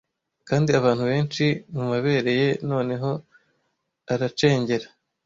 Kandi abantu benshi mumabere ye noneho aracengera,